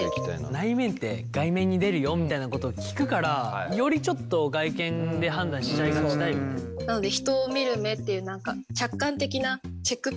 内面って外面に出るよみたいなこと聞くからよりちょっと外見で判断しちゃいがちだよね。って思って気になってます。